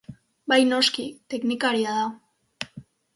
Bai noski, teknikaria da.